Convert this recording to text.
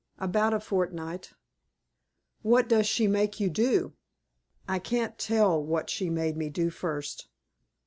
"About a fortnight." "What does she make you do?" "I can't tell what she made me do first."